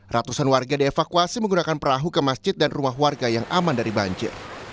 ratusan warga dievakuasi menggunakan perahu ke masjid dan rumah warga yang aman dari banjir